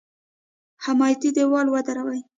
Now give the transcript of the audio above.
حمایتي دېوال ودروي.